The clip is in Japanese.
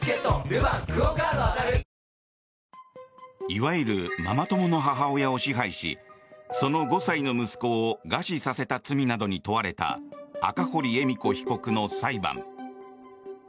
いわゆるママ友の母親を支配しその５歳の息子を餓死させた罪などに問われた赤堀恵美子被告の裁判。